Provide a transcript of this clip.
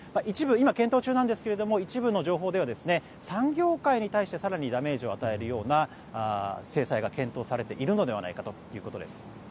一部、今、検討中なんですが一部の情報では産業界に対して更にダメージを与えるような制裁が検討されているのではないかということです。